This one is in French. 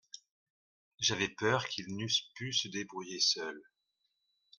J’avais peur qu’ils n’eussent pu se débrouiller seuls.